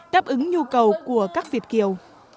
đáp ứng nhu cầu của các việt kiều